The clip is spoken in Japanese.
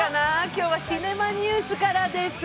今日はシネマニュースからです。